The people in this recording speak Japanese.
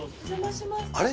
あれ？